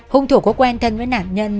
hùng thủ của quen thân với nạn nhân